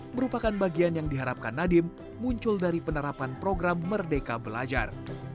merupakan bagian yang diharapkan nadiem muncul dari penerapan program merdeka belajar